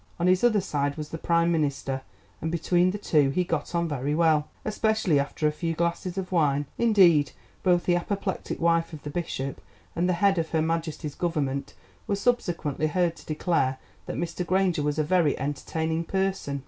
On his other side was the Prime Minister, and between the two he got on very well, especially after a few glasses of wine. Indeed, both the apoplectic wife of the Bishop and the head of Her Majesty's Government were subsequently heard to declare that Mr. Granger was a very entertaining person.